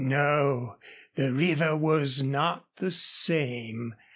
No the river was not the same.